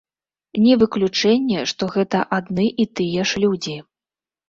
Не выключэнне, што гэта адны і тыя ж людзі.